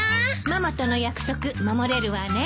ママとの約束守れるわね。